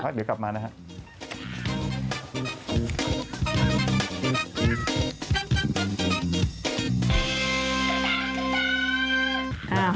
เดี๋ยวกลับมานะครับ